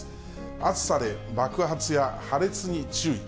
暑さで爆発や破裂に注意。